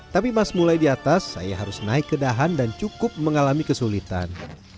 tapi mas mulai di atas saya harus naik ke dahan dan cukup mengalami kesulitan